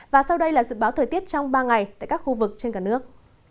và sau đây là dự báo thời tiết trong ba ngày tại các khu vực trên cả nước